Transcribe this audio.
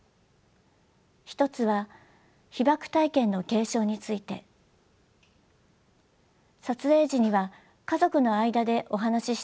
１つは「被爆体験の継承」について。撮影時には家族の間でお話ししていただく時間を設けています。